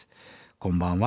「こんばんは」。